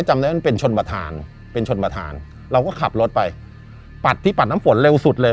จำได้มันเป็นชนประธานเป็นชนประธานเราก็ขับรถไปปัดที่ปัดน้ำฝนเร็วสุดเลย